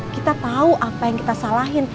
kita tahu apa yang kita salahin